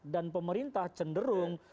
dan pemerintah cenderung